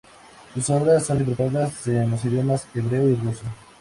Sus obras son interpretadas en los idiomas hebreo y ruso.